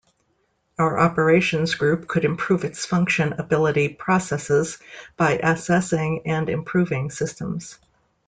Our operations group could improve its function ability processes by assessing and improving systems.